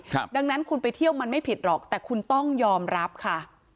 ดังนั้นคุณไปเที่ยวมันไม่ผิดหรอกแต่คุณต้องยอมรับค่ะ